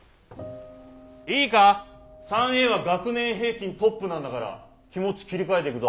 いいか３Ａは学年平均トップなんだから気持ち切り替えてくぞ。